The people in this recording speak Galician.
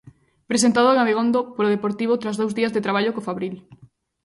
Presentado en Abegondo polo Deportivo tras dous días de traballo co Fabril.